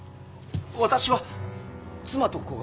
私は妻と子が。